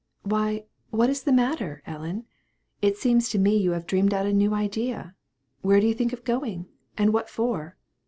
"Why, what is the matter, Ellen? It seems to me you have dreamed out a new idea! Where do you think of going? and what for?"